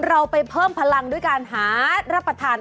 เราไปเพิ่มพลังด้วยการหารับประทาน